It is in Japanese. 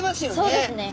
そうですね。